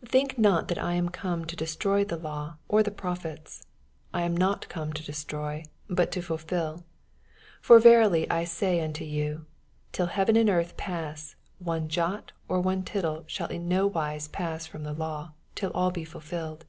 17 Think not that I am oome to destroy the law, or the prophets : I am not come to destroy, but to fulfil. 18 For verily I say unto you, Till heaven and earth pass, one jot or one tittJe shall in no wise pass from the law, till all be fulfilled.